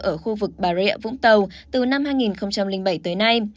ở khu vực bà rịa vũng tàu từ năm hai nghìn bảy tới nay